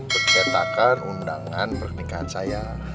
percetakan undangan pernikahan saya